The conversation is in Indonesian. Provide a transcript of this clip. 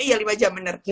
iya lima jam bener